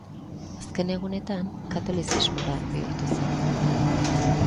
Azken egunetan, katolizismora bihurtu zen.